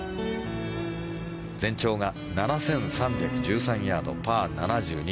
全長が７３１３ヤードパー７２。